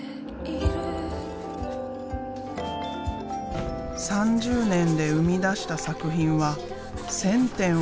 ３０年で生み出した作品は１，０００点を超える。